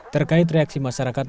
terkait reaksi masyarakat